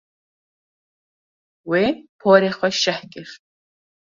Wê porê xwe şeh kir.